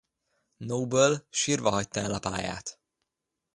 Noble sírva hagyta el a pályát.